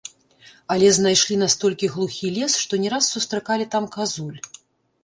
Але знайшлі настолькі глухі лес, што не раз сустракалі там казуль.